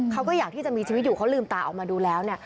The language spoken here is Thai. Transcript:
เขาก็อยากที่จะมีชีวิตอยู่เขาลืมตาออกมาดูแล้วเนี่ย